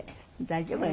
大丈夫。